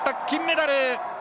金メダル！